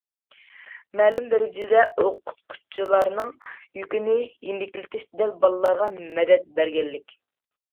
مەلۇم دەرىجىدە، ئوقۇتقۇچىلارنىڭ يۈكىنى يېنىكلىتىش دەل بالىلارغا مەدەت بەرگەنلىك.